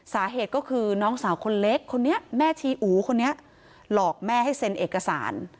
สาเหตุก็คือน้องสาวคนเล็กคนนี้แม่ชีอู๋คนนี้หลอกแม่ให้เซ็นเอกสาร